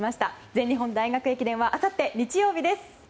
全日本大学駅伝はあさって日曜日です。